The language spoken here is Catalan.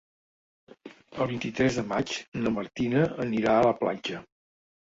El vint-i-tres de maig na Martina anirà a la platja.